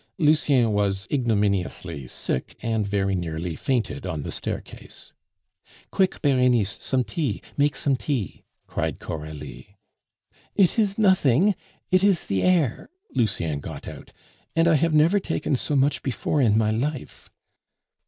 Lucien was ignominiously sick, and very nearly fainted on the staircase. "Quick, Berenice, some tea! Make some tea," cried Coralie. "It is nothing; it is the air," Lucien got out, "and I have never taken so much before in my life."